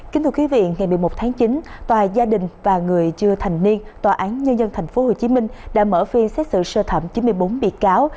kính thưa quý vị ngày một mươi một tháng chín tòa gia đình và người chưa thành niên tòa án nhân dân tp hcm đã mở phiên xét xử sơ thẩm chín mươi bốn bị cáo